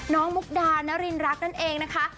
มุกดานรินรักนั่นเองนะคะ